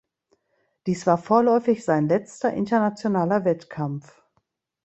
Dies war vorläufig sein letzter internationaler Wettkampf.